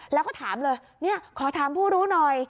แล้วก็ถามเลยเนี่ยขอถามผู้รู้หน่อย